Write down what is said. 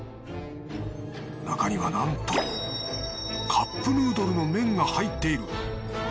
中にはなんとカップヌードルの麺が入っている。